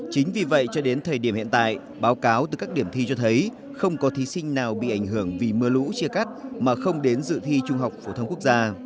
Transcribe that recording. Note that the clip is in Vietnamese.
chính vì vậy cho đến thời điểm hiện tại báo cáo từ các điểm thi cho thấy không có thí sinh nào bị ảnh hưởng vì mưa lũ chia cắt mà không đến dự thi trung học phổ thông quốc gia